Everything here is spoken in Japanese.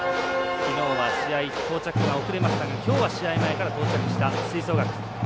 きのうは試合到着が遅れましたがきょうは試合前から到着した吹奏楽。